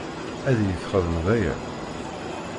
Ad iyi-txedmeḍ aya?